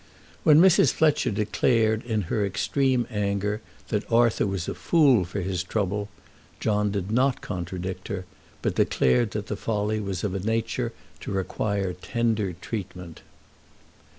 When Mrs. Fletcher declared in her extreme anger that Arthur was a fool for his trouble, John did not contradict her, but declared that the folly was of a nature to require tender treatment.